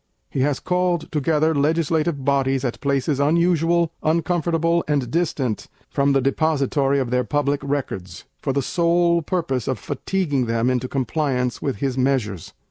He has called together legislative bodies at places unusual, uncomfortable, and distant from the depository of their Public Records, for the sole purpose of fatiguing them into compliance with his measures.